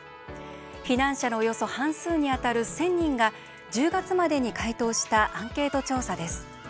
避難者のおよそ半数に当たる１０００人が１０月までに回答したアンケート調査です。